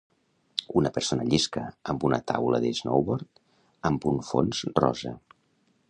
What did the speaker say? una persona llisca amb una taula de snowboard amb un fons rosa